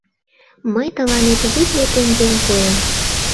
— Мый тыланет витле теҥгем пуэм.